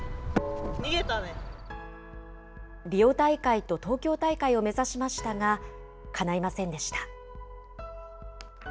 リオ大会と東京大会を目指しましたが、かないませんでした。